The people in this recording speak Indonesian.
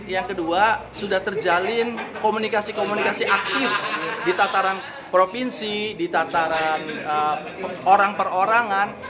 yang kedua sudah terjalin komunikasi komunikasi aktif di tataran provinsi di tataran orang perorangan